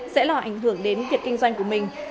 sẽ là ảnh hưởng đến việc kinh doanh của mình